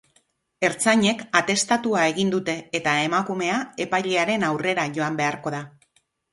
Ertzainek atestatua egin dute eta emakumea epailearen aurrera joan beharko da.